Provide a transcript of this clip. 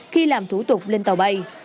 khi làm thủ tục lên tàu bay